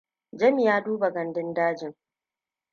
Jami ya duba gandun dajin.